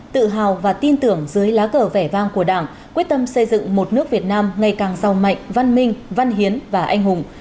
tự hào và tin tưởng dưới lá cờ vẻ vang của đảng quyết tâm xây dựng một nước việt nam ngày càng giàu mạnh văn minh văn hiến và anh hùng